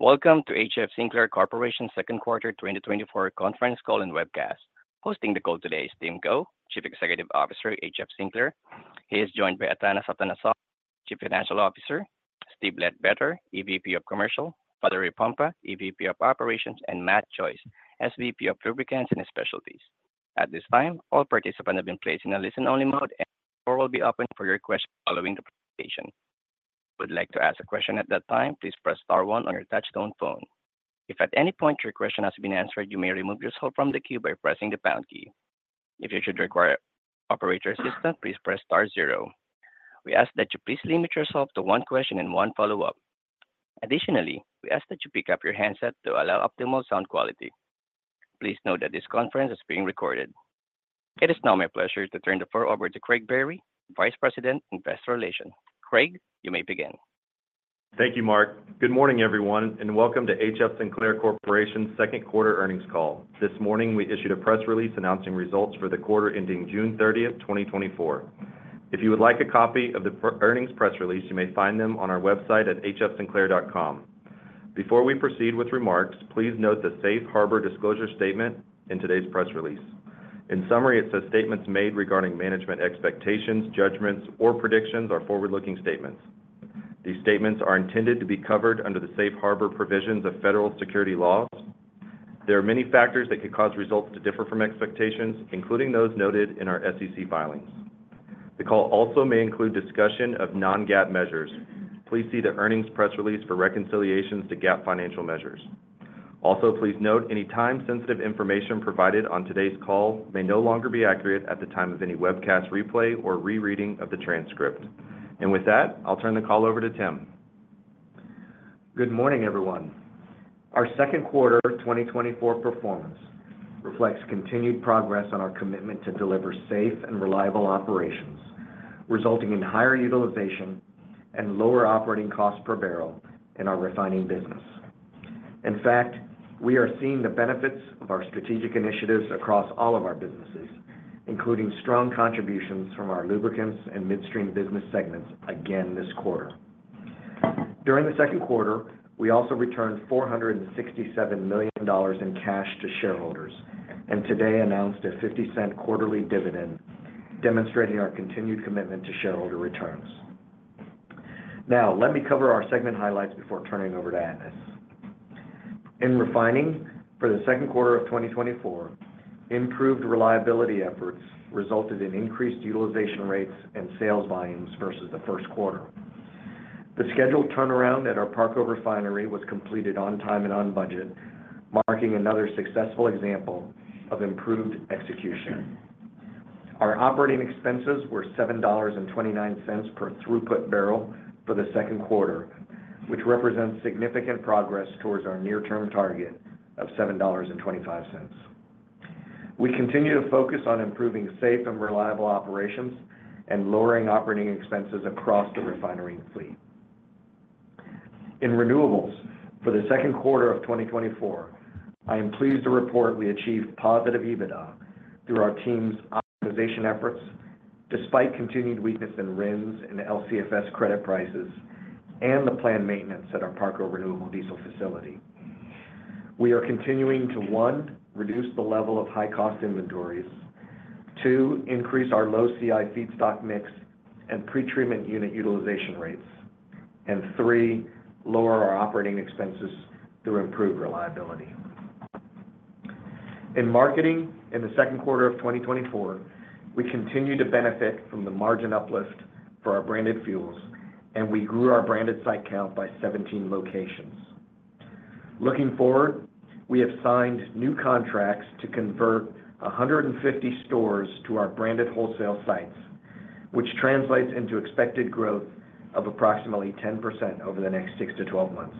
Welcome to H.F. Sinclair Corporation Second Quarter 2024 Conference Call and Webcast. Hosting the call today is Tim Go, Chief Executive Officer, H.F. Sinclair. He is joined by Atanas Atanassov, Chief Financial Officer, Steve Ledbetter, EVP of Commercial, Valerie Pompa, EVP of Operations, and Matt Joyce, SVP of Lubricants and Specialties. At this time, all participants have been placed in a listen-only mode, and the floor will be open for your questions following the presentation. If you would like to ask a question at that time, please press star one on your touchtone phone. If at any point your question has been answered, you may remove yourself from the queue by pressing the pound key. If you should require operator assistance, please press star zero. We ask that you please limit yourself to one question and one follow-up. Additionally, we ask that you pick up your handset to allow optimal sound quality. Please note that this conference is being recorded. It is now my pleasure to turn the floor over to Craig Berry, Vice President, Investor Relations. Craig, you may begin. Thank you, Mark. Good morning, everyone, and welcome to H.F. Sinclair Corporation's second quarter earnings call. This morning, we issued a press release announcing results for the quarter ending June 30, 2024. If you would like a copy of the earnings press release, you may find them on our website at hfsinclair.com. Before we proceed with remarks, please note the Safe Harbor Disclosure Statement in today's press release. In summary, it says, "Statements made regarding management expectations, judgments, or predictions are forward-looking statements. These statements are intended to be covered under the safe harbor provisions of federal security laws. There are many factors that could cause results to differ from expectations, including those noted in our SEC filings." The call also may include discussion of non-GAAP measures. Please see the earnings press release for reconciliations to GAAP financial measures. Also, please note, any time-sensitive information provided on today's call may no longer be accurate at the time of any webcast replay or rereading of the transcript. With that, I'll turn the call over to Tim. Good morning, everyone. Our second quarter of 2024 performance reflects continued progress on our commitment to deliver safe and reliable operations, resulting in higher utilization and lower operating costs per barrel in our refining business. In fact, we are seeing the benefits of our strategic initiatives across all of our businesses, including strong contributions from our lubricants and midstream business segments again this quarter. During the second quarter, we also returned $467 million in cash to shareholders, and today announced a $0.50 quarterly dividend, demonstrating our continued commitment to shareholder returns. Now, let me cover our segment highlights before turning it over to Atanas. In refining, for the second quarter of 2024, improved reliability efforts resulted in increased utilization rates and sales volumes versus the first quarter. The scheduled turnaround at our Parker Refinery was completed on time and on budget, marking another successful example of improved execution. Our operating expenses were $7.29 per throughput barrel for the second quarter, which represents significant progress towards our near-term target of $7.25. We continue to focus on improving safe and reliable operations and lowering operating expenses across the refinery fleet. In renewables, for the second quarter of 2024, I am pleased to report we achieved positive EBITDA through our team's optimization efforts, despite continued weakness in RINs and LCFS credit prices and the planned maintenance at our Parker Renewable Diesel facility. We are continuing to, one, reduce the level of high-cost inventories, two, increase our low CI feedstock mix and pretreatment unit utilization rates, and three, lower our operating expenses through improved reliability. In marketing, in the second quarter of 2024, we continued to benefit from the margin uplift for our branded fuels, and we grew our branded site count by 17 locations. Looking forward, we have signed new contracts to convert 150 stores to our branded wholesale sites, which translates into expected growth of approximately 10% over the next 6-12 months.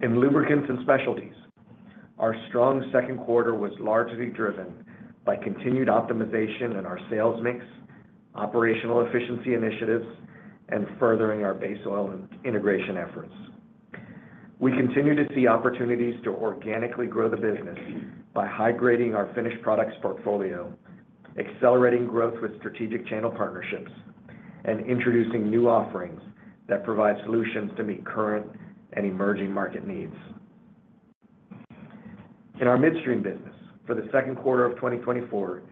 In lubricants and specialties, our strong second quarter was largely driven by continued optimization in our sales mix, operational efficiency initiatives, and furthering our base oil and integration efforts. We continue to see opportunities to organically grow the business by high-grading our finished products portfolio, accelerating growth with strategic channel partnerships, and introducing new offerings that provide solutions to meet current and emerging market needs. In our midstream business, for the second quarter of 2024,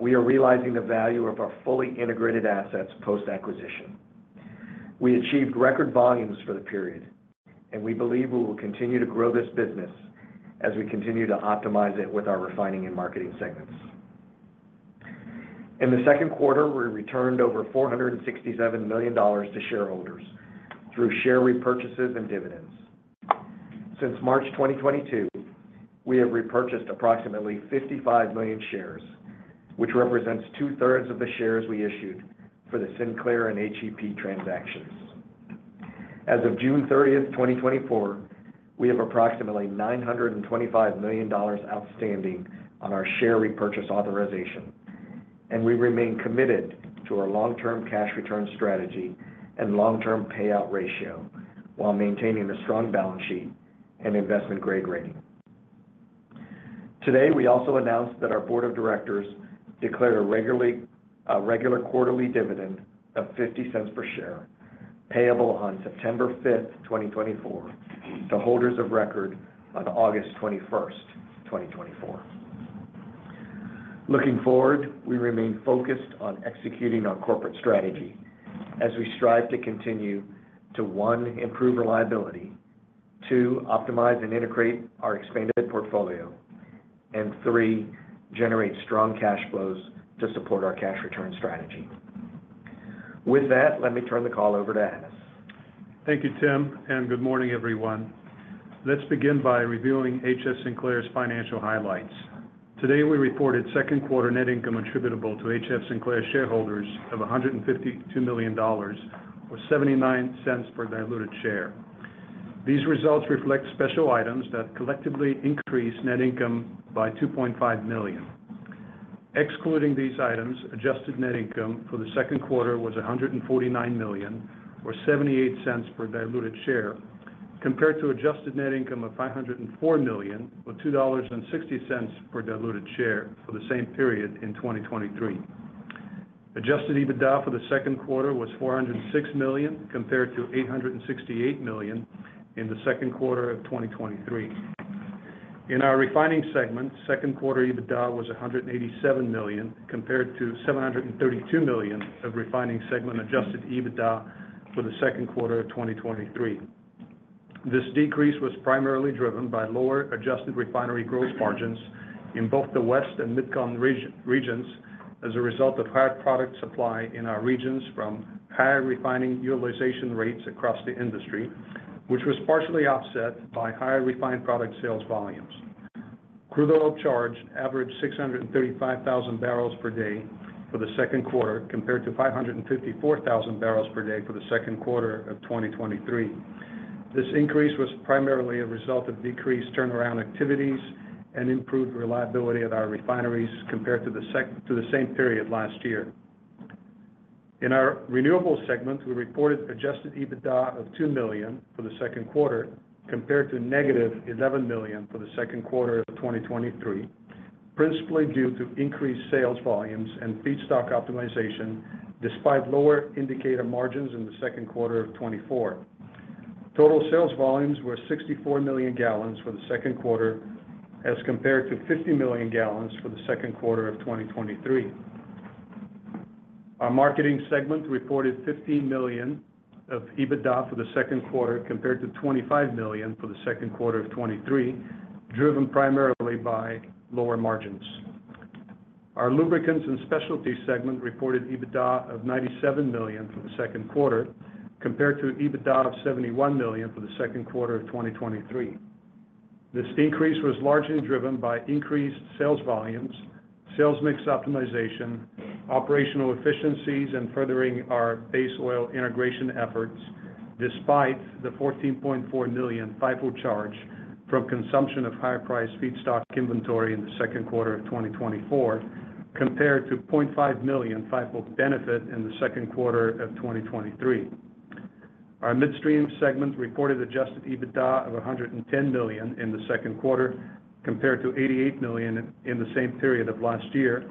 we are realizing the value of our fully integrated assets post-acquisition. We achieved record volumes for the period, and we believe we will continue to grow this business as we continue to optimize it with our refining and marketing segments. In the second quarter, we returned over $467 million to shareholders through share repurchases and dividends. Since March 2022, we have repurchased approximately 55 million shares, which represents two-thirds of the shares we issued for the Sinclair and HEP transactions. As of June 30, 2024, we have approximately $925 million outstanding on our share repurchase authorization, and we remain committed to our long-term cash return strategy and long-term payout ratio while maintaining a strong balance sheet and investment-grade rating. Today, we also announced that our board of directors declared a regular quarterly dividend of $0.50 per share, payable on September 5, 2024, to holders of record on August 21, 2024. Looking forward, we remain focused on executing our corporate strategy as we strive to continue to, one, improve reliability, two, optimize and integrate our expanded portfolio, and three, generate strong cash flows to support our cash return strategy. With that, let me turn the call over to Atanas. Thank you, Tim, and good morning, everyone. Let's begin by reviewing H.F. Sinclair's financial highlights. Today, we reported second quarter net income attributable to H.F. Sinclair shareholders of $152 million, or $0.79 per diluted share. These results reflect special items that collectively increased net income by $2.5 million. Excluding these items, adjusted net income for the second quarter was $149 million or $0.78 per diluted share, compared to adjusted net income of $504 million, or $2.60 per diluted share for the same period in 2023. Adjusted EBITDA for the second quarter was $406 million, compared to $868 million in the second quarter of 2023. In our refining segment, second quarter EBITDA was $187 million, compared to $732 million of refining segment adjusted EBITDA for the second quarter of 2023. This decrease was primarily driven by lower adjusted refinery gross margins in both the West and MidCon regions, as a result of higher product supply in our regions from higher refining utilization rates across the industry, which was partially offset by higher refined product sales volumes. Crude oil charge averaged 635,000 barrels per day for the second quarter, compared to 554,000 barrels per day for the second quarter of 2023. This increase was primarily a result of decreased turnaround activities and improved reliability of our refineries compared to the same period last year. In our renewables segment, we reported adjusted EBITDA of $2 million for the second quarter, compared to -$11 million for the second quarter of 2023, principally due to increased sales volumes and feedstock optimization, despite lower indicator margins in the second quarter of 2024. Total sales volumes were 64 million gallons for the second quarter, as compared to 50 million gallons for the second quarter of 2023. Our marketing segment reported $15 million of EBITDA for the second quarter, compared to $25 million for the second quarter of 2023, driven primarily by lower margins. Our lubricants and specialty segment reported EBITDA of $97 million for the second quarter, compared to EBITDA of $71 million for the second quarter of 2023. This increase was largely driven by increased sales volumes, sales mix optimization, operational efficiencies, and furthering our base oil integration efforts, despite the $14.4 million FIFO charge from consumption of higher-priced feedstock inventory in the second quarter of 2024, compared to $0.5 million FIFO benefit in the second quarter of 2023. Our midstream segment reported adjusted EBITDA of $110 million in the second quarter, compared to $88 million in the same period of last year,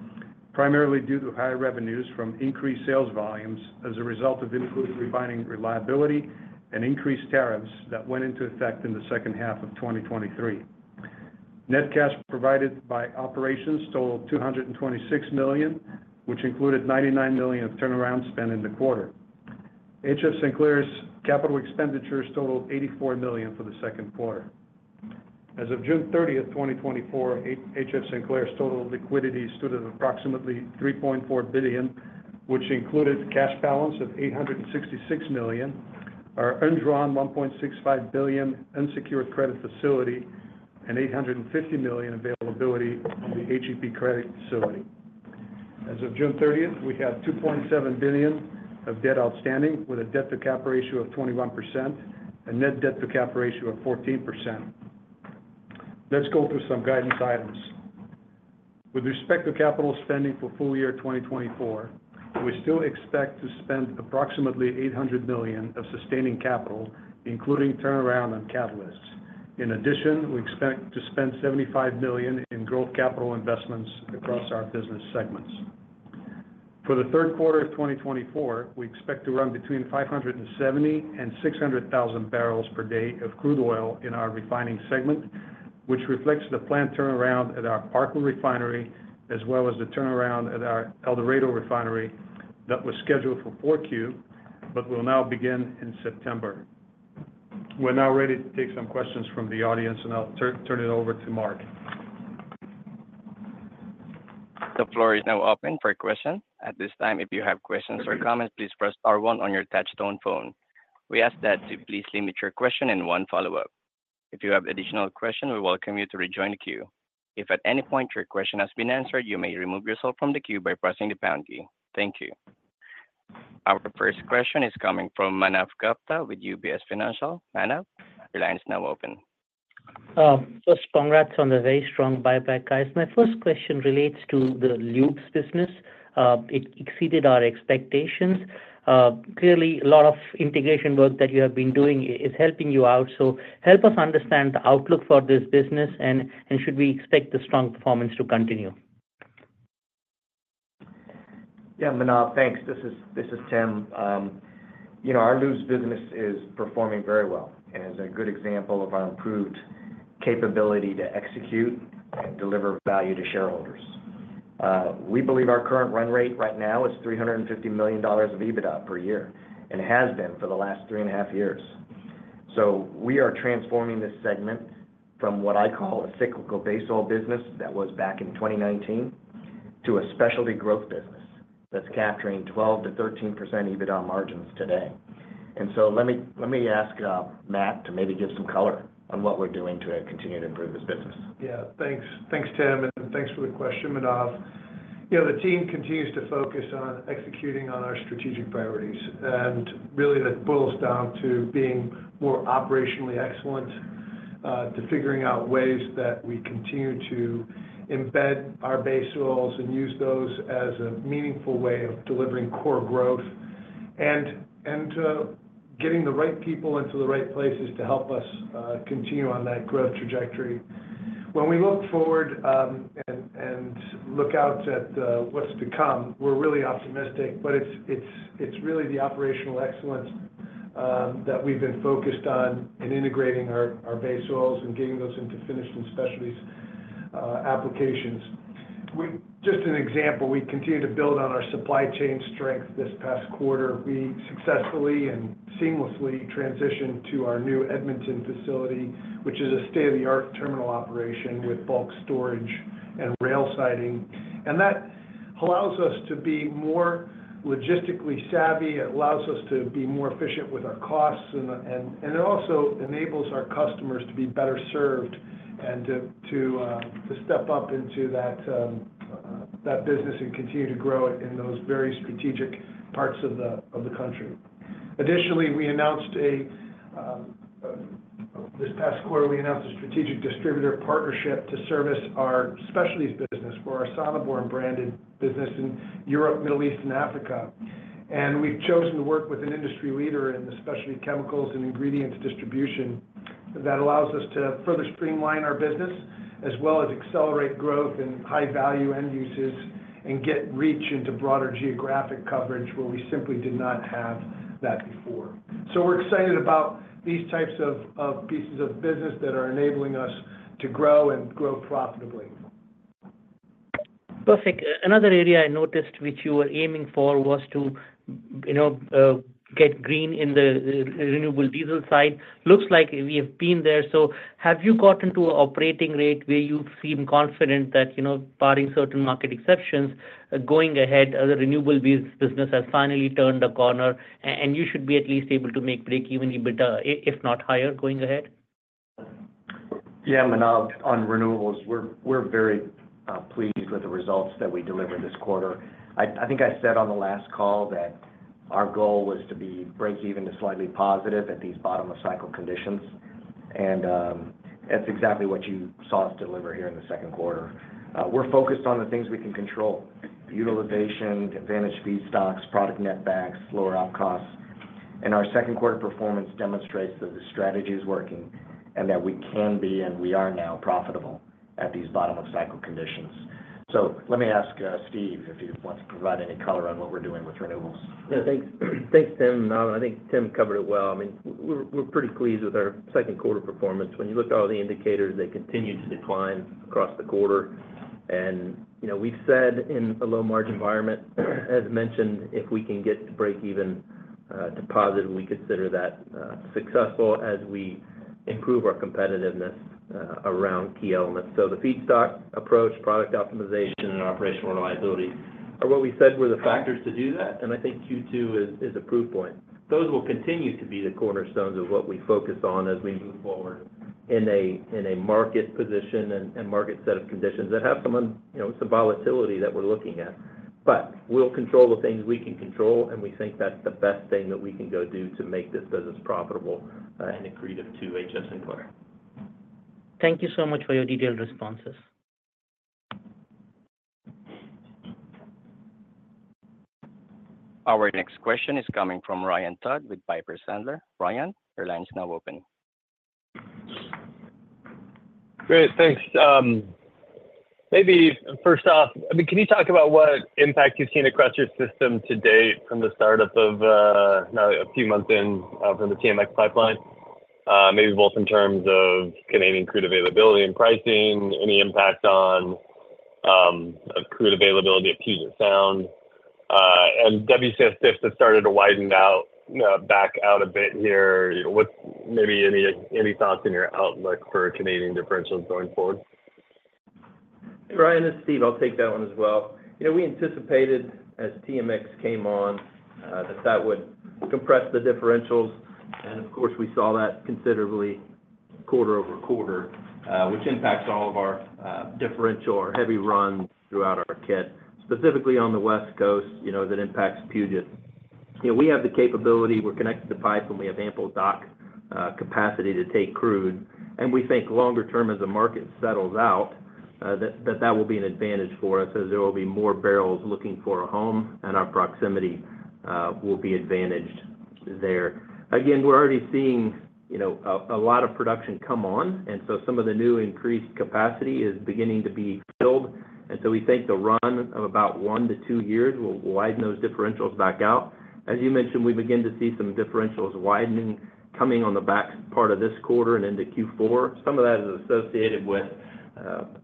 primarily due to higher revenues from increased sales volumes as a result of improved refining reliability and increased tariffs that went into effect in the second half of 2023. Net cash provided by operations totaled $226 million, which included $99 million of turnaround spend in the quarter. H.F. Sinclair's capital expenditures totaled $84 million for the second quarter. As of June 30, 2024, H.F. Sinclair's total liquidity stood at approximately $3.4 billion, which included cash balance of $866 million, our undrawn $1.65 billion unsecured credit facility, and $850 million availability on the HEP credit facility. As of June 30, 2024, we had $2.7 billion of debt outstanding, with a debt-to-capital ratio of 21% and net debt-to-capital ratio of 14%. Let's go through some guidance items. With respect to capital spending for full year 2024, we still expect to spend approximately $800 million of sustaining capital, including turnaround on catalysts. In addition, we expect to spend $75 million in growth capital investments across our business segments. For the third quarter of 2024, we expect to run between 570 and 600,000 barrels per day of crude oil in our refining segment, which reflects the planned turnaround at our Parker Refinery, as well as the turnaround at our El Dorado Refinery that was scheduled for Q4, but will now begin in September. We're now ready to take some questions from the audience, and I'll turn it over to Mark. The floor is now open for questions. At this time, if you have questions or comments, please press star one on your touchtone phone. We ask that you please limit your question in one follow-up. If you have additional questions, we welcome you to rejoin the queue. If at any point your question has been answered, you may remove yourself from the queue by pressing the pound key. Thank you. Our first question is coming from Manav Gupta with UBS Financial. Manav, your line is now open. First, congrats on the very strong buyback, guys. My first question relates to the lubes business. It exceeded our expectations. Clearly, a lot of integration work that you have been doing is helping you out. So help us understand the outlook for this business and, and should we expect the strong performance to continue? Yeah, Manav, thanks. This is, this is Tim. You know, our lubes business is performing very well and is a good example of our improved capability to execute and deliver value to shareholders. We believe our current run rate right now is $350 million of EBITDA per year, and it has been for the last three and a half years. So we are transforming this segment from what I call a cyclical base oil business, that was back in 2019, to a specialty growth business that's capturing 12%-13% EBITDA margins today. And so let me, let me ask, Matt to maybe give some color on what we're doing to continue to improve this business. Yeah. Thanks. Thanks, Tim, and thanks for the question, Manav. You know, the team continues to focus on executing on our strategic priorities, and really, that boils down to being more operationally excellent, to figuring out ways that we continue to embed our base oils and use those as a meaningful way of delivering core growth, and to getting the right people into the right places to help us continue on that growth trajectory. When we look forward, and look out at what's to come, we're really optimistic, but it's really the operational excellence that we've been focused on in integrating our base oils and getting those into finished and specialties applications. Just an example, we continue to build on our supply chain strength this past quarter. We successfully and seamlessly transitioned to our new Edmonton facility, which is a state-of-the-art terminal operation with bulk storage and rail siding. And that allows us to be more logistically savvy, it allows us to be more efficient with our costs, and it also enables our customers to be better served and to step up into that business and continue to grow it in those very strategic parts of the country. Additionally, this past quarter, we announced a strategic distributor partnership to service our specialties business for our Sonneborn branded business in Europe, Middle East, and Africa. We've chosen to work with an industry leader in the specialty chemicals and ingredients distribution that allows us to further streamline our business, as well as accelerate growth in high-value end uses and get reach into broader geographic coverage, where we simply did not have that before. We're excited about these types of pieces of business that are enabling us to grow and grow profitably. Perfect. Another area I noticed, which you were aiming for, was to, you know, get green in the renewable diesel side. Looks like we have been there. So have you gotten to an operating rate where you feel confident that, you know, barring certain market exceptions, going ahead, the renewable business has finally turned a corner, and you should be at least able to make breakeven EBITDA, if not higher, going ahead? Yeah, Manav, on renewables, we're very pleased with the results that we delivered this quarter. I think I said on the last call that our goal was to be breakeven to slightly positive at these bottom-of-cycle conditions, and that's exactly what you saw us deliver here in the second quarter. We're focused on the things we can control: utilization, advantage feedstocks, product net backs, lower op costs. And our second quarter performance demonstrates that the strategy is working and that we can be, and we are now profitable at these bottom-of-cycle conditions. So let me ask Steve if he wants to provide any color on what we're doing with renewables. Yeah. Thanks. Thanks, Tim. I think Tim covered it well. I mean, we're, we're pretty pleased with our second quarter performance. When you look at all the indicators, they continue to decline across the quarter. And, you know, we've said in a low-margin environment, as mentioned, if we can get to breakeven to positive, we consider that successful as we improve our competitiveness around key elements. So the feedstock approach, product optimization, and operational reliability are what we said were the factors to do that, and I think Q2 is, is a proof point. Those will continue to be the cornerstones of what we focus on as we move forward in a, in a market position and, and market set of conditions that have some, you know, some volatility that we're looking at. But we'll control the things we can control, and we think that's the best thing that we can go do to make this business profitable, and accretive to HF Sinclair. Thank you so much for your detailed responses. Our next question is coming from Ryan Todd with Piper Sandler. Ryan, your line is now open. Great, thanks. Maybe first off, I mean, can you talk about what impact you've seen across your system to date from the startup of, now a few months in, from the TMX pipeline? Maybe both in terms of Canadian crude availability and pricing, any impact on, crude availability at Puget Sound, and WCS diff has started to widen out, back out a bit here. What's maybe any thoughts in your outlook for Canadian differentials going forward? Ryan, it's Steve. I'll take that one as well. You know, we anticipated, as TMX came on, that that would compress the differentials, and of course, we saw that considerably quarter-over-quarter, which impacts all of our differential or heavy runs throughout our kit, specifically on the West Coast, you know, that impacts Puget. You know, we have the capability, we're connected to the pipe, and we have ample dock capacity to take crude. And we think longer term, as the market settles out, that that will be an advantage for us as there will be more barrels looking for a home, and our proximity will be advantaged there. Again, we're already seeing, you know, a lot of production come on, and so some of the new increased capacity is beginning to be filled. So we think the run of about 1-2 years will widen those differentials back out. As you mentioned, we begin to see some differentials widening, coming on the back part of this quarter and into Q4. Some of that is associated with,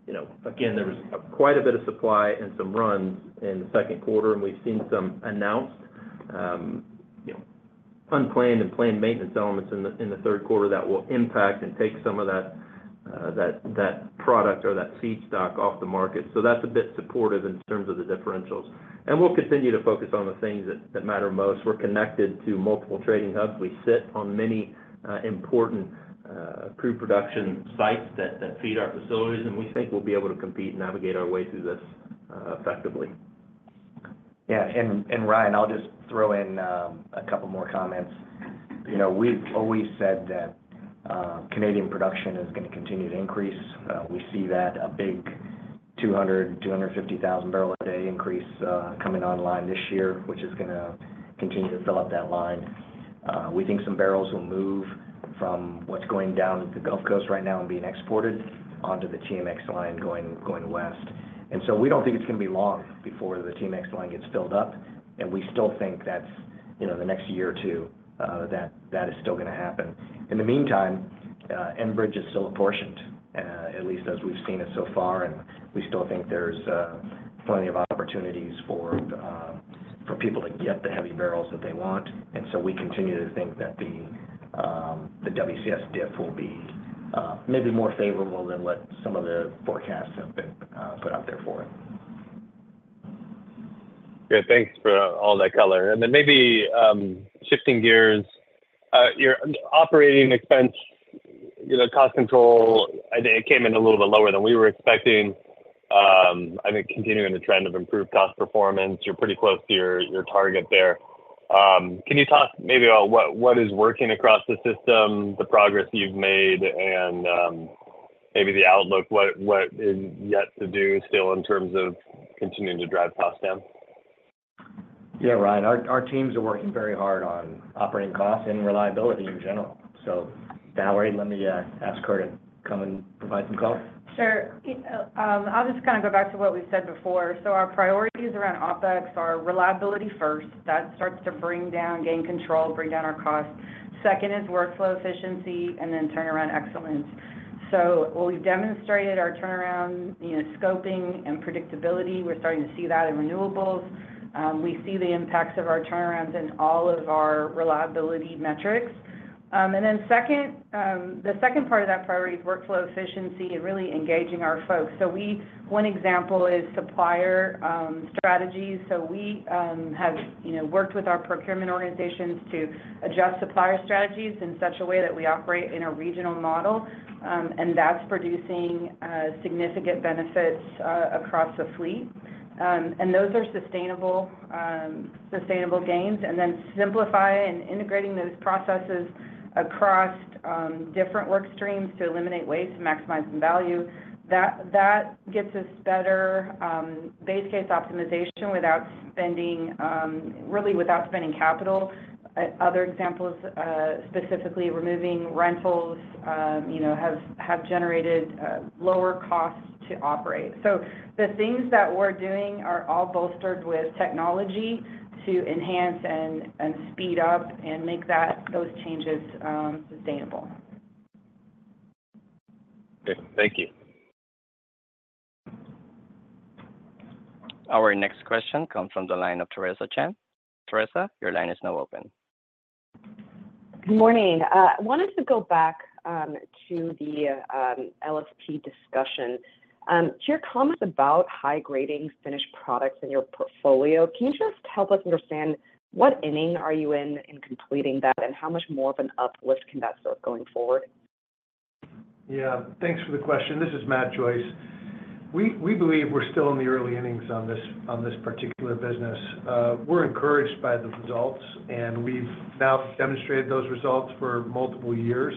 you know, again, there was quite a bit of supply and some runs in the second quarter, and we've seen some announced, you know, unplanned and planned maintenance elements in the third quarter that will impact and take some of that product or that feedstock off the market. So that's a bit supportive in terms of the differentials. We'll continue to focus on the things that matter most. We're connected to multiple trading hubs. We sit on many important pre-production sites that feed our facilities, and we think we'll be able to compete and navigate our way through this effectively. Yeah, and, and Ryan, I'll just throw in a couple more comments. You know, we've always said that Canadian production is gonna continue to increase. We see that a big 200-250,000 barrel a day increase coming online this year, which is gonna continue to fill up that line. We think some barrels will move from what's going down to the Gulf Coast right now and being exported onto the TMX line, going west. And so we don't think it's gonna be long before the TMX line gets filled up, and we still think that's, you know, the next year or two, that is still gonna happen. In the meantime, Enbridge is still apportioned, at least as we've seen it so far, and we still think there's plenty of opportunities for people to get the heavy barrels that they want. And so we continue to think that the WCS diff will be maybe more favorable than what some of the forecasts have been put out there for it. Great. Thanks for all that color. And then maybe, shifting gears, your operating expense, you know, cost control, I think it came in a little bit lower than we were expecting. I think continuing the trend of improved cost performance, you're pretty close to your, your target there. Can you talk maybe about what, what is working across the system, the progress you've made, and, maybe the outlook, what, what is yet to do still in terms of continuing to drive costs down? Yeah, Ryan, our, our teams are working very hard on operating costs and reliability in general. So Valerie, let me ask her to come and provide some color. Sure. I'll just kind of go back to what we've said before. So our priorities around OpEx are reliability first. That starts to bring down, gain control, bring down our costs. Second is workflow efficiency, and then turnaround excellence. So while we've demonstrated our turnaround, you know, scoping and predictability, we're starting to see that in renewables. We see the impacts of our turnarounds in all of our reliability metrics. And then second, the second part of that priority is workflow efficiency and really engaging our folks. So, one example is supplier strategies. So we have, you know, worked with our procurement organizations to adjust supplier strategies in such a way that we operate in a regional model, and that's producing significant benefits across the fleet. And those are sustainable, sustainable gains, and then simplify and integrating those processes across different work streams to eliminate waste and maximize some value. That gets us better base case optimization without spending-- really without spending capital. Other examples, specifically, removing rentals, you know, have generated lower costs to operate. So the things that we're doing are all bolstered with technology to enhance and speed up and make that-- those changes sustainable. Okay. Thank you. Our next question comes from the line of Theresa Chen. Theresa, your line is now open. Good morning. I wanted to go back to the LSP discussion. To your comments about high-grading finished products in your portfolio, can you just help us understand what inning are you in, in completing that, and how much more of an uplift can that serve going forward? Yeah. Thanks for the question. This is Matt Joyce. We believe we're still in the early innings on this, on this particular business. We're encouraged by the results, and we've now demonstrated those results for multiple years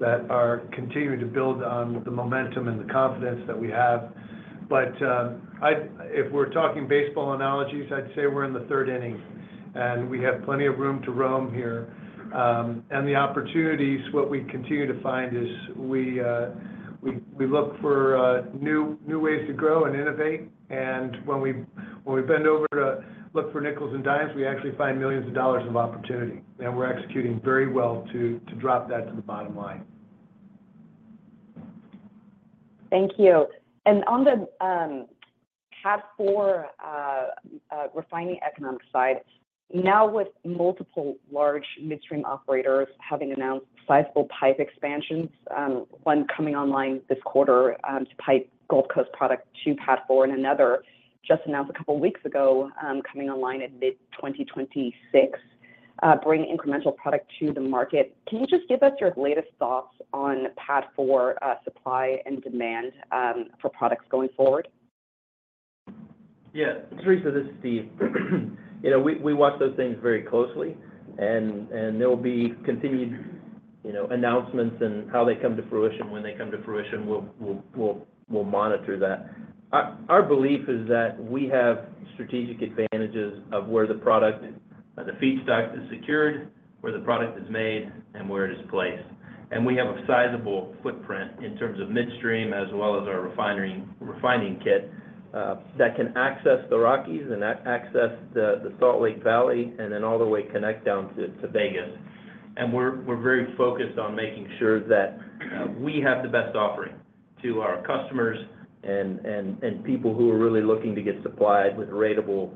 that are continuing to build on the momentum and the confidence that we have. But, I, if we're talking baseball analogies, I'd say we're in the third inning, and we have plenty of room to roam here. And the opportunities, what we continue to find is we look for new ways to grow and innovate. And when we, when we bend over to look for nickels and dimes, we actually find millions of dollars of opportunity, and we're executing very well to drop that to the bottom line. Thank you. On the PADD 4 refining economic side, now with multiple large midstream operators having announced sizable pipe expansions, one coming online this quarter to pipe Gulf Coast product to PADD 4, and another just announced a couple weeks ago coming online in mid-2026, bringing incremental product to the market. Can you just give us your latest thoughts on PADD 4 supply and demand for products going forward? Yeah. Theresa, this is Steve. You know, we watch those things very closely, and there will be continued announcements and how they come to fruition. When they come to fruition, we'll monitor that. Our belief is that we have strategic advantages of where the product, the feedstock is secured, where the product is made, and where it is placed. And we have a sizable footprint in terms of midstream, as well as our refinery refining kit, that can access the Rockies and access the Salt Lake Valley, and then all the way connect down to Vegas. And we're very focused on making sure that we have the best offering to our customers and people who are really looking to get supplied with ratable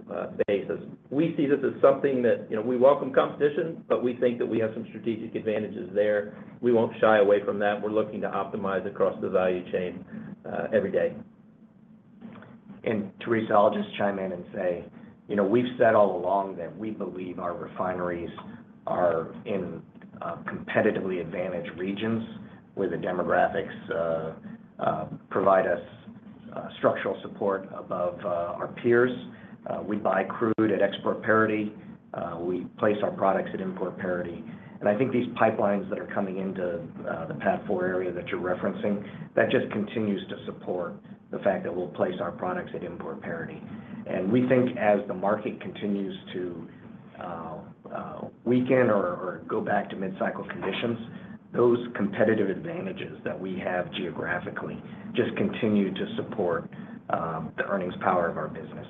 basis. We see this as something that, you know, we welcome competition, but we think that we have some strategic advantages there. We won't shy away from that. We're looking to optimize across the value chain every day. And Theresa, I'll just chime in and say, you know, we've said all along that we believe our refineries are in, competitively advantaged regions, where the demographics, provide us, structural support above, our peers. We buy crude at export parity, we place our products at import parity. And I think these pipelines that are coming into, the PADD4 area that you're referencing, that just continues to support the fact that we'll place our products at import parity. And we think as the market continues to, weaken or go back to mid-cycle conditions, those competitive advantages that we have geographically, just continue to support, the earnings power of our business.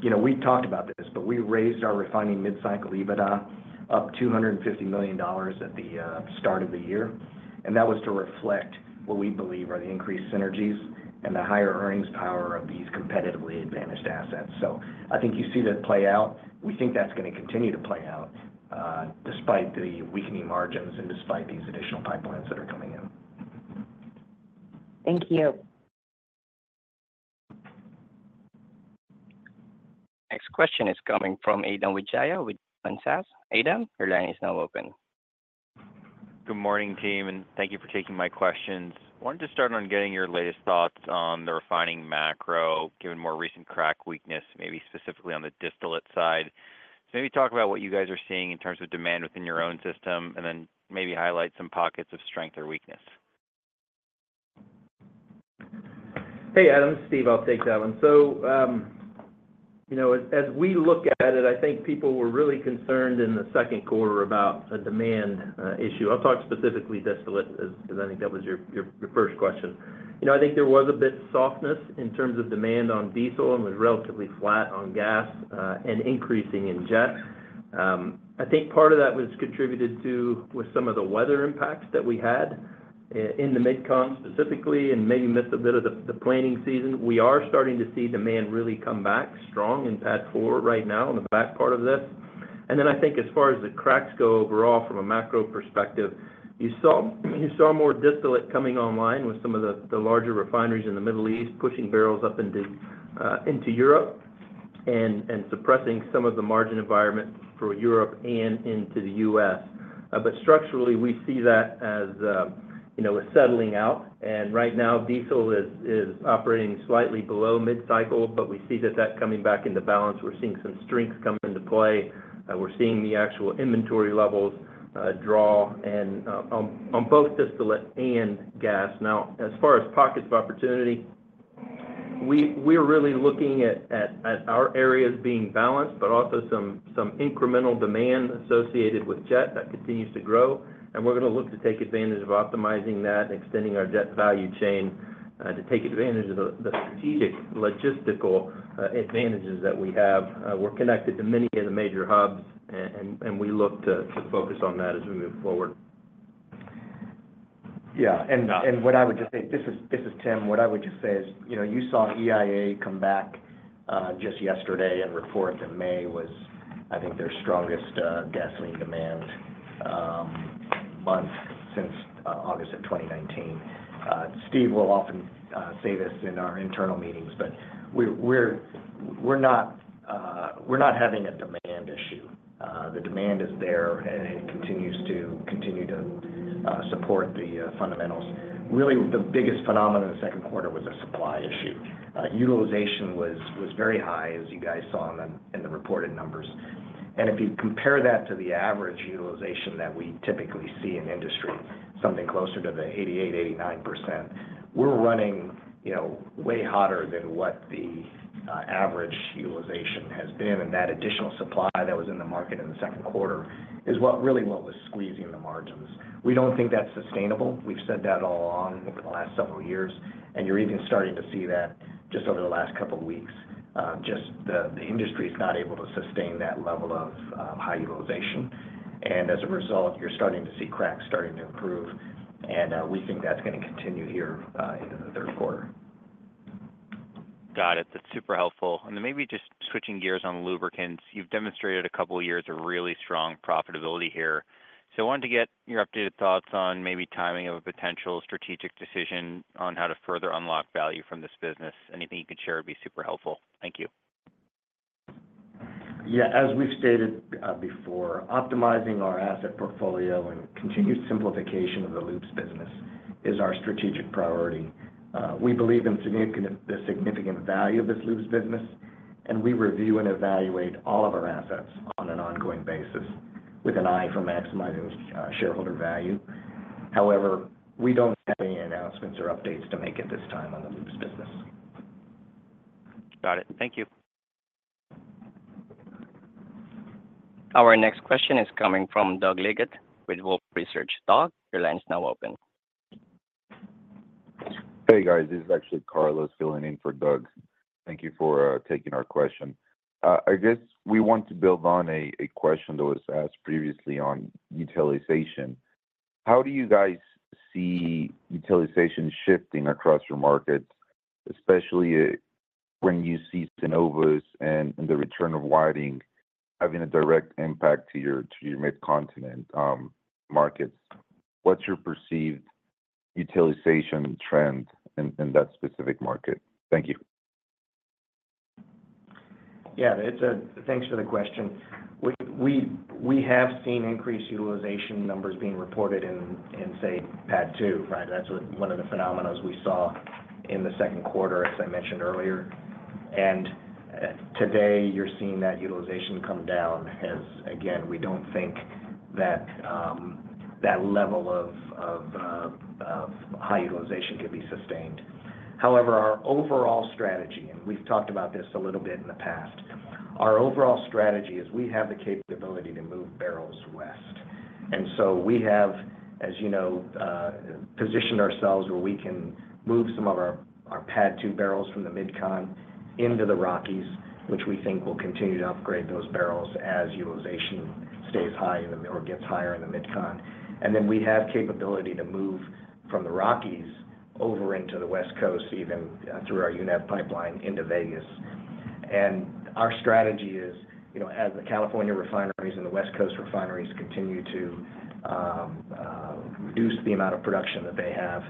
You know, we talked about this, but we raised our refining mid-cycle EBITDA up $250 million at the start of the year, and that was to reflect what we believe are the increased synergies and the higher earnings power of these competitively advantaged assets. So I think you see that play out. We think that's gonna continue to play out, despite the weakening margins and despite these additional pipelines that are coming in. Thank you. Next question is coming from Adam Wijaya with Bank of America. Adam, your line is now open. Good morning, team, and thank you for taking my questions. Wanted to start on getting your latest thoughts on the refining macro, given more recent crack weakness, maybe specifically on the distillate side. So maybe talk about what you guys are seeing in terms of demand within your own system, and then maybe highlight some pockets of strength or weakness. Hey, Adam, Steve, I'll take that one. So, you know, as we look at it, I think people were really concerned in the second quarter about a demand issue. I'll talk specifically distillate, because I think that was your first question. You know, I think there was a bit softness in terms of demand on diesel and was relatively flat on gas, and increasing in jet. I think part of that was contributed to with some of the weather impacts that we had in the MidCon specifically, and maybe missed a bit of the planting season. We are starting to see demand really come back strong in PADD4 right now in the back part of this. And then I think as far as the cracks go overall from a macro perspective, you saw more distillate coming online with some of the larger refineries in the Middle East, pushing barrels up into Europe and suppressing some of the margin environment for Europe and into the U.S. But structurally, we see that as you know, a settling out, and right now diesel is operating slightly below mid-cycle, but we see that coming back into balance. We're seeing some strengths come into play. We're seeing the actual inventory levels draw and on both distillate and gas. Now, as far as pockets of opportunity, we're really looking at, at our areas being balanced, but also some incremental demand associated with jet that continues to grow, and we're gonna look to take advantage of optimizing that and extending our jet value chain, to take advantage of the strategic, logistical, advantages that we have. We're connected to many of the major hubs, and we look to focus on that as we move forward. Yeah, and what I would just say—this is Tim. What I would just say is, you know, you saw EIA come back just yesterday and report that May was, I think, their strongest gasoline demand month since August of 2019. Steve will often say this in our internal meetings, but we're not having a demand issue. The demand is there, and it continues to support the fundamentals. Really, the biggest phenomenon in the second quarter was a supply issue. Utilization was very high, as you guys saw in the reported numbers. If you compare that to the average utilization that we typically see in the industry, something closer to the 88%-89%, we're running, you know, way hotter than what the average utilization has been, and that additional supply that was in the market in the second quarter is what really what was squeezing the margins. We don't think that's sustainable. We've said that all along over the last several years, and you're even starting to see that just over the last couple of weeks. Just the industry is not able to sustain that level of high utilization, and as a result, you're starting to see cracks starting to improve, and we think that's gonna continue here into the third quarter. Got it. That's super helpful. And then maybe just switching gears on lubricants. You've demonstrated a couple of years of really strong profitability here. So I wanted to get your updated thoughts on maybe timing of a potential strategic decision on how to further unlock value from this business. Anything you could share would be super helpful. Thank you. Yeah, as we've stated before, optimizing our asset portfolio and continued simplification of the lubes business is our strategic priority. We believe in the significant value of this lubes business and we review and evaluate all of our assets on an ongoing basis, with an eye for maximizing shareholder value. However, we don't have any announcements or updates to make at this time on the lubes business. Got it. Thank you. Our next question is coming from Doug Leggate with Wolfe Research. Doug, your line is now open. Hey, guys, this is actually Carlos filling in for Doug. Thank you for taking our question. I guess we want to build on a question that was asked previously on utilization. How do you guys see utilization shifting across your markets, especially when you see Cenovus and the return of Whiting, having a direct impact to your—to your Mid-Continent markets? What's your perceived utilization trend in that specific market? Thank you. Yeah, thanks for the question. We have seen increased utilization numbers being reported in, say, PADD 2, right? That's one of the phenomena we saw in the second quarter, as I mentioned earlier. And today, you're seeing that utilization come down, as again, we don't think that level of high utilization can be sustained. However, our overall strategy, and we've talked about this a little bit in the past, our overall strategy is we have the capability to move barrels west. And so we have, as you know, positioned ourselves where we can move some of our PADD 2 barrels from the Mid-Con into the Rockies, which we think will continue to upgrade those barrels as utilization stays high in the or gets higher in the Mid-Con. Then, we have capability to move from the Rockies over into the West Coast, even through our UNEV pipeline into Vegas. Our strategy is, you know, as the California refineries and the West Coast refineries continue to reduce the amount of production that they have,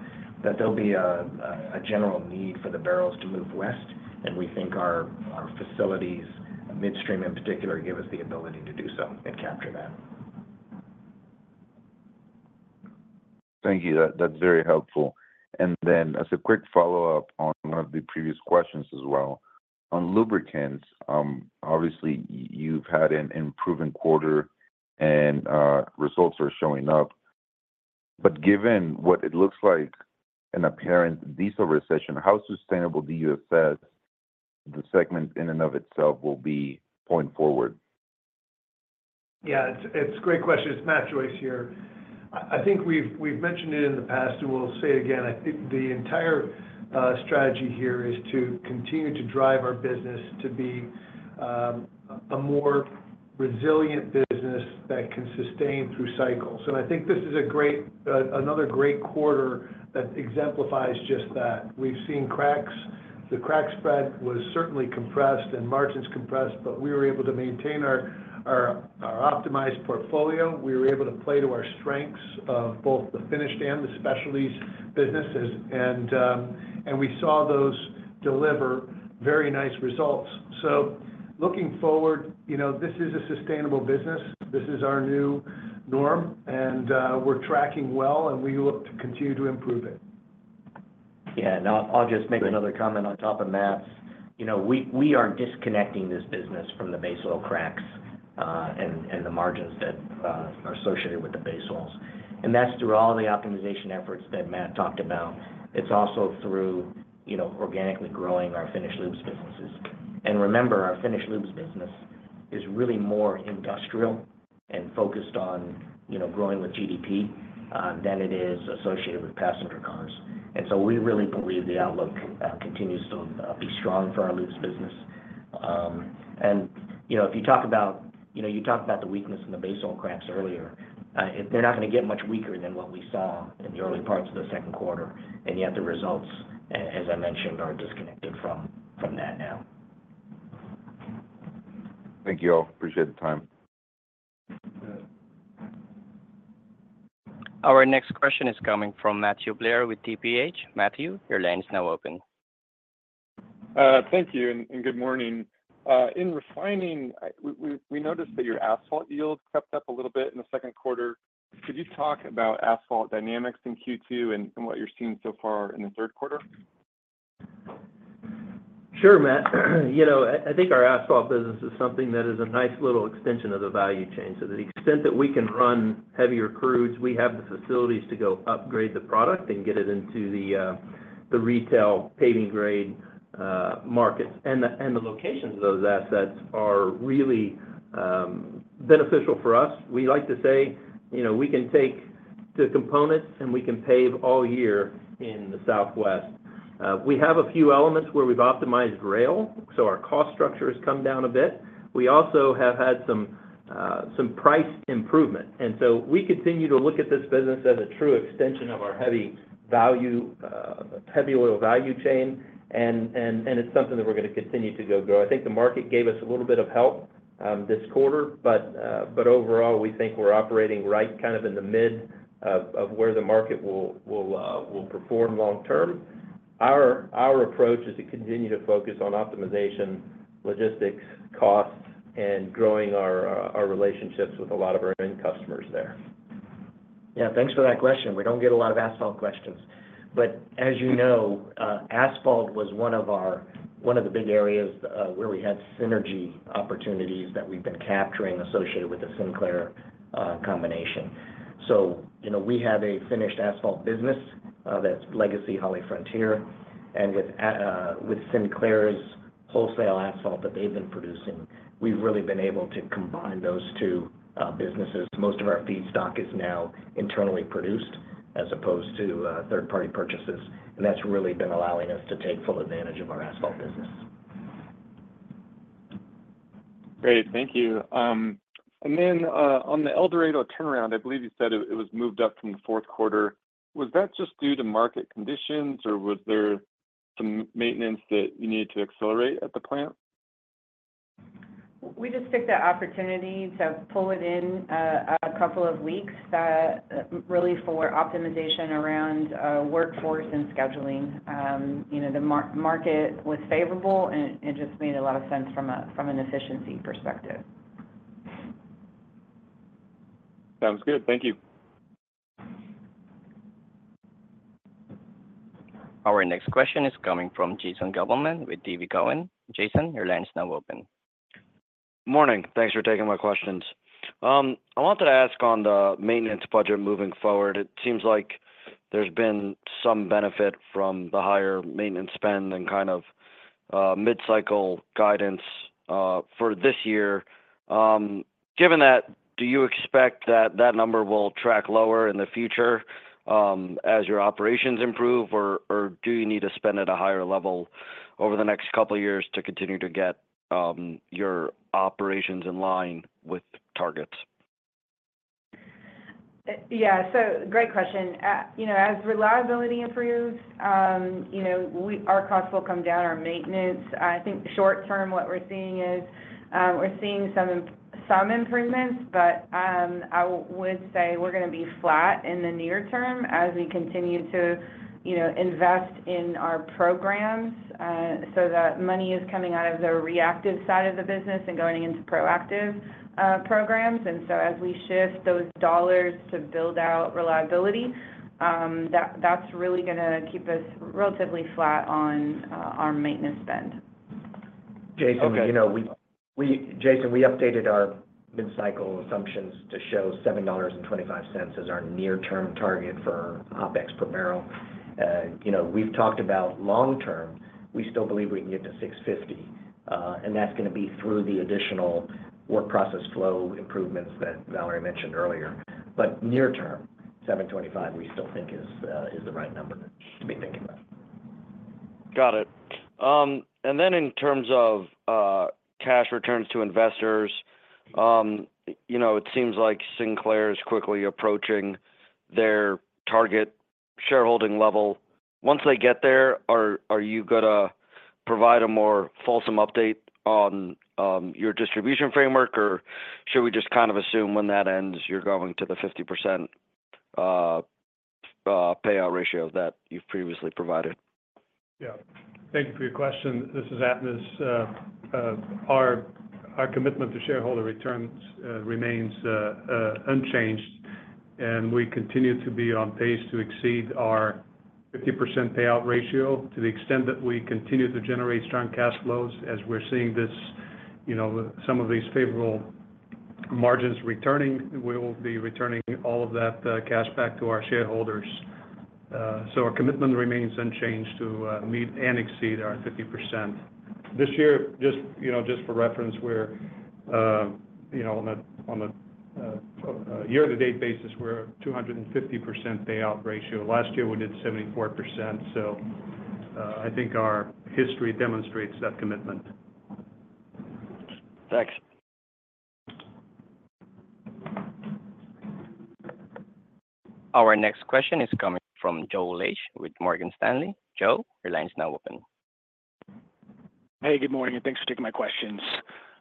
that there'll be a general need for the barrels to move west, and we think our facilities, midstream in particular, give us the ability to do so and capture that. Thank you. That's very helpful. Then, as a quick follow-up on one of the previous questions as well. On lubricants, obviously, you've had an improving quarter, and results are showing up. But given what it looks like an apparent diesel recession, how sustainable do you assess the segment in and of itself will be going forward? Yeah, it's a great question. It's Matt Joyce here. I think we've mentioned it in the past, and we'll say it again. I think the entire strategy here is to continue to drive our business to be a more resilient business that can sustain through cycles. And I think this is a great, another great quarter that exemplifies just that. We've seen cracks. The crack spread was certainly compressed and margins compressed, but we were able to maintain our optimized portfolio. We were able to play to our strengths, both the finished and the specialties businesses, and we saw those deliver very nice results. So looking forward, you know, this is a sustainable business. This is our new norm, and we're tracking well, and we look to continue to improve it. Yeah. Now, I'll just make another comment on top of Matt's. You know, we are disconnecting this business from the base oil cracks, and the margins that are associated with the base oils. And that's through all the optimization efforts that Matt talked about. It's also through, you know, organically growing our finished lubes businesses. And remember, our finished lubes business is really more industrial and focused on, you know, growing with GDP, than it is associated with passenger cars. And so we really believe the outlook continues to be strong for our lubes business. And, you know, if you talk about—you know, you talked about the weakness in the base oil cracks earlier, they're not gonna get much weaker than what we saw in the early parts of the second quarter, and yet the results, as I mentioned, are disconnected from that now. Thank you all. Appreciate the time. Our next question is coming from Matthew Blair with TPH. Matthew, your line is now open. Thank you and good morning. In refining, we noticed that your asphalt yields crept up a little bit in the second quarter. Could you talk about asphalt dynamics in Q2 and what you're seeing so far in the third quarter? Sure, Matt. You know, I think our asphalt business is something that is a nice little extension of the value chain. So to the extent that we can run heavier crudes, we have the facilities to go upgrade the product and get it into the retail paving grade markets. And the locations of those assets are really beneficial for us. We like to say, you know, we can take the components, and we can pave all year in the Southwest. We have a few elements where we've optimized rail, so our cost structure has come down a bit. We also have had some price improvement. And so we continue to look at this business as a true extension of our heavy value heavy oil value chain, and it's something that we're gonna continue to go grow. I think the market gave us a little bit of help this quarter, but overall, we think we're operating right kind of in the mid of where the market will perform long term. Our approach is to continue to focus on optimization, logistics, costs, and growing our relationships with a lot of our end customers there.... Yeah, thanks for that question. We don't get a lot of asphalt questions. But as you know, asphalt was one of the big areas where we had synergy opportunities that we've been capturing associated with the Sinclair combination. So, you know, we have a finished asphalt business that's Legacy HollyFrontier, and with Sinclair's wholesale asphalt that they've been producing, we've really been able to combine those two businesses. Most of our feedstock is now internally produced as opposed to third-party purchases, and that's really been allowing us to take full advantage of our asphalt business. Great. Thank you. And then, on the El Dorado turnaround, I believe you said it, it was moved up from the fourth quarter. Was that just due to market conditions, or was there some maintenance that you needed to accelerate at the plant? We just took the opportunity to pull it in a couple of weeks, really for optimization around workforce and scheduling. You know, the market was favorable, and it, it just made a lot of sense from a, from an efficiency perspective. Sounds good. Thank you. Our next question is coming from Jason Gabelman with Cowen. Jason, your line is now open. Morning. Thanks for taking my questions. I wanted to ask on the maintenance budget moving forward, it seems like there's been some benefit from the higher maintenance spend and kind of mid-cycle guidance for this year. Given that, do you expect that that number will track lower in the future as your operations improve, or do you need to spend at a higher level over the next couple of years to continue to get your operations in line with targets? Yeah, so great question. You know, as reliability improves, you know, our costs will come down, our maintenance. I think short term, what we're seeing is, we're seeing some improvements, but, I would say we're gonna be flat in the near term as we continue to, you know, invest in our programs. So that money is coming out of the reactive side of the business and going into proactive programs. And so as we shift those dollars to build out reliability, that's really gonna keep us relatively flat on our maintenance spend. Okay. Jason, you know, we updated our mid-cycle assumptions to show $7.25 as our near-term target for OpEx per barrel. You know, we've talked about long term, we still believe we can get to $6.50, and that's gonna be through the additional work process flow improvements that Valerie mentioned earlier. But near term, $7.25, we still think is the right number to be thinking about. Got it. And then in terms of cash returns to investors, you know, it seems like Sinclair is quickly approaching their target shareholding level. Once they get there, are you gonna provide a more fulsome update on your distribution framework, or should we just kind of assume when that ends, you're going to the 50% payout ratio that you've previously provided? Yeah. Thank you for your question. This is Atanas. Our commitment to shareholder returns remains unchanged, and we continue to be on pace to exceed our 50% payout ratio. To the extent that we continue to generate strong cash flows, as we're seeing this, you know, some of these favorable margins returning, we will be returning all of that cash back to our shareholders. So our commitment remains unchanged to meet and exceed our 50%. This year, just, you know, for reference, we're, you know, on a year-to-date basis, we're at 250% payout ratio. Last year, we did 74%, so I think our history demonstrates that commitment. Thanks. Our next question is coming from Joe Lestsch with Morgan Stanley. Joe, your line is now open. Hey, good morning, and thanks for taking my questions.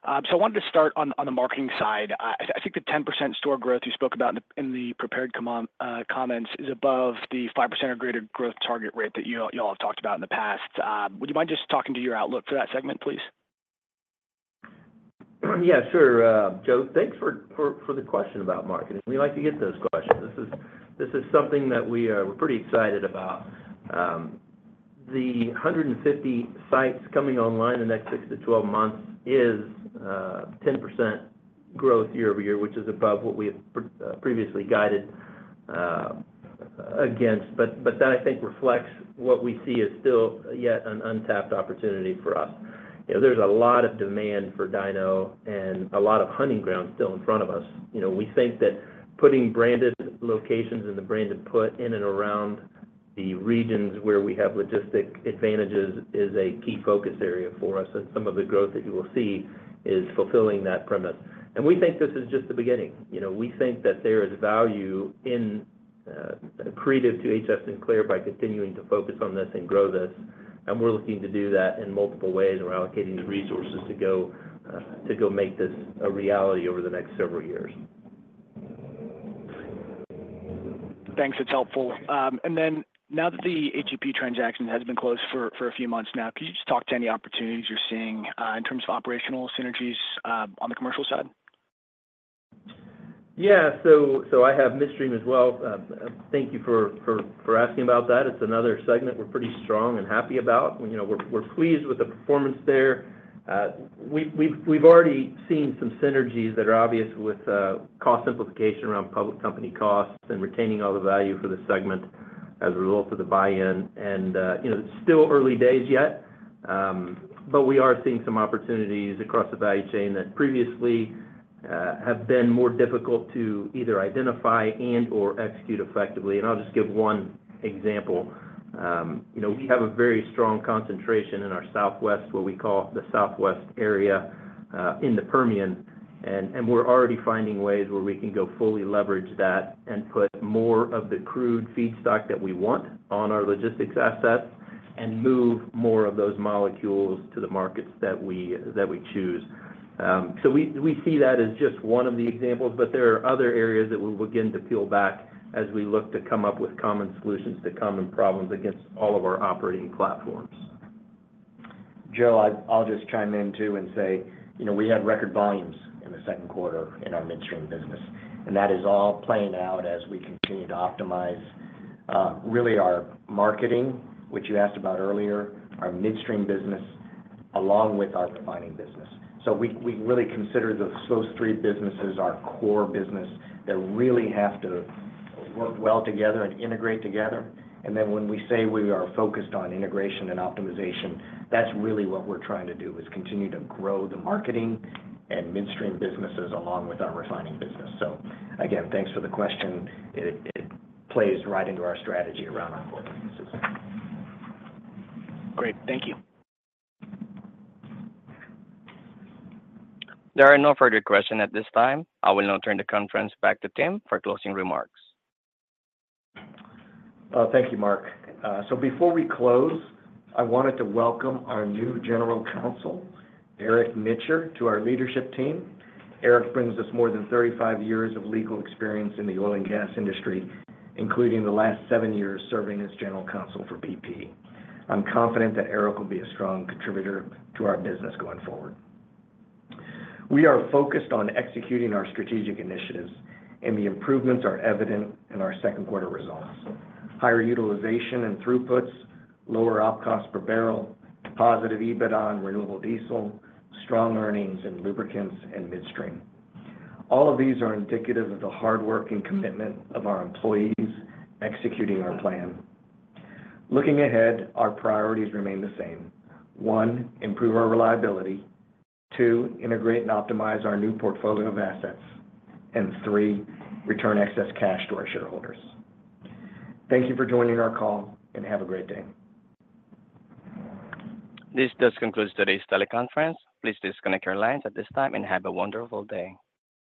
So I wanted to start on the marketing side. I think the 10% store growth you spoke about in the prepared comments is above the 5% or greater growth target rate that you all have talked about in the past. Would you mind just talking to your outlook for that segment, please? Yeah, sure, Joe. Thanks for the question about marketing. We like to get those questions. This is something that we are pretty excited about. The 150 sites coming online in the next 6-12 months is 10% growth year-over-year, which is above what we had previously guided against. But that, I think, reflects what we see as still yet an untapped opportunity for us. You know, there's a lot of demand for Dino and a lot of hunting ground still in front of us. You know, we think that putting branded locations in the branded put in and around the regions where we have logistical advantages is a key focus area for us, and some of the growth that you will see is fulfilling that premise. And we think this is just the beginning. You know, we think that there is value in accretive to H.F. Sinclair by continuing to focus on this and grow this, and we're looking to do that in multiple ways. We're allocating the resources to go make this a reality over the next several years. Thanks, it's helpful. And then now that the HEP transaction has been closed for, for a few months now, can you just talk to any opportunities you're seeing, in terms of operational synergies, on the commercial side?... Yeah, so I have Midstream as well. Thank you for asking about that. It's another segment we're pretty strong and happy about. You know, we're pleased with the performance there. We've already seen some synergies that are obvious with cost simplification around public company costs and retaining all the value for the segment as a result of the buy-in. And you know, it's still early days yet, but we are seeing some opportunities across the value chain that previously have been more difficult to either identify and/or execute effectively. And I'll just give one example. You know, we have a very strong concentration in our Southwest, what we call the Southwest area, in the Permian, and we're already finding ways where we can go fully leverage that and put more of the crude feedstock that we want on our logistics assets, and move more of those molecules to the markets that we choose. So we see that as just one of the examples, but there are other areas that we'll begin to peel back as we look to come up with common solutions to common problems against all of our operating platforms. Joe, I'll just chime in too and say, you know, we had record volumes in the second quarter in our Midstream business, and that is all playing out as we continue to optimize, really our marketing, which you asked about earlier, our Midstream business, along with our Refining business. So we, we really consider those, those three businesses our core business that really have to work well together and integrate together. And then when we say we are focused on integration and optimization, that's really what we're trying to do, is continue to grow the marketing and Midstream businesses along with our Refining business. So again, thanks for the question. It, it plays right into our strategy around our core businesses. Great. Thank you. There are no further questions at this time. I will now turn the conference back to Tim for closing remarks. Thank you, Mark. So before we close, I wanted to welcome our new General Counsel, Eric Litcher, to our leadership team. Eric brings us more than 35 years of legal experience in the oil and gas industry, including the last seven years serving as General Counsel for BP. I'm confident that Eric will be a strong contributor to our business going forward. We are focused on executing our strategic initiatives, and the improvements are evident in our second quarter results. Higher utilization and throughputs, lower op costs per barrel, positive EBITDA and Renewable Diesel, strong earnings in Lubricants and Midstream. All of these are indicative of the hard work and commitment of our employees executing our plan. Looking ahead, our priorities remain the same: one, improve our reliability; two, integrate and optimize our new portfolio of assets; and three, return excess cash to our shareholders. Thank you for joining our call, and have a great day. This does conclude today's teleconference. Please disconnect your lines at this time, and have a wonderful day.